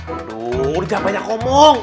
aduh udah jam banyak omong